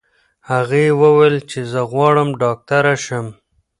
هغې وویل چې زه غواړم ډاکټره شم.